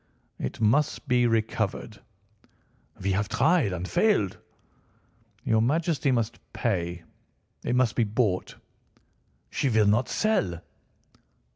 "It must be recovered." "We have tried and failed." "Your Majesty must pay. It must be bought." "She will not sell."